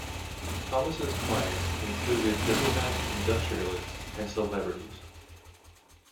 Thomas' clients included diplomats, industrialists, and celebrities.